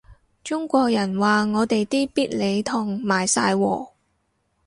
中國人話我哋啲必理痛賣晒喎